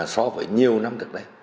so với nhiều năm trước đây